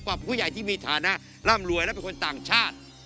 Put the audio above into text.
ผู้ใหญ่ที่มีฐานะร่ำรวยและเป็นคนต่างชาติ